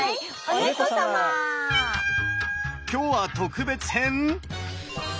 今日は特別編⁉おっ！